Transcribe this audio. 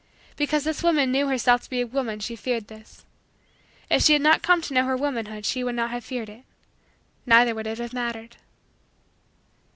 Because this woman knew herself to be a woman she feared this. If she had not come to know her womanhood she would not have feared it. Neither would it have mattered.